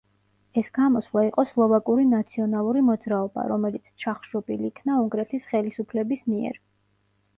ეს გამოსვლა იყო სლოვაკური ნაციონალური მოძრაობა, რომელიც ჩახშობილ იქნა უნგრეთის ხელისუფლების მიერ.